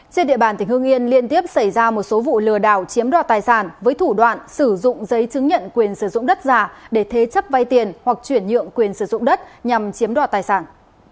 trên địa bàn tỉnh hương yên liên tiếp xảy ra một số vụ lừa đảo chiếm đoạt tài sản với thủ đoạn sử dụng giấy chứng nhận quyền sử dụng đất giả để thế chấp vay tiền hoặc chuyển nhượng quyền sử dụng đất nhằm chiếm đoạt tài sản